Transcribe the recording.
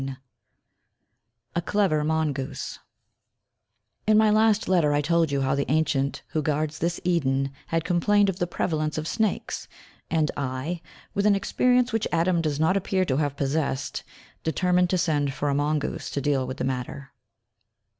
IV A CLEVER MONGOOSE In my last letter I told you how the ancient who guards this Eden had complained of the prevalence of snakes, and I, with an experience which Adam does not appear to have possessed, determined to send for a mongoose to deal with the matter.